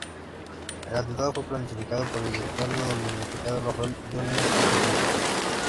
El atentado fue planificado por el dictador dominicano Rafael Leónidas Trujillo.